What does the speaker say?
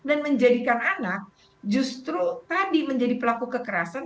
menjadikan anak justru tadi menjadi pelaku kekerasan